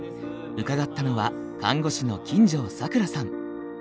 伺ったのは看護師の金城櫻さん。